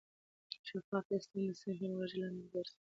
شفاف سیستم د سمې همغږۍ لامل ګرځي.